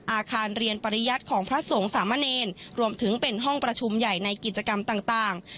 อาคารเรียนปริยัติของพระสงฆ์สามะเนรรวมถึงเป็นห้องประชุมใหญ่ในกิจกรรมต่าง